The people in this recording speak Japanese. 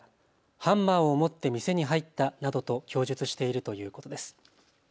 ハンマーを持って店に入ったなどと供述しているということです。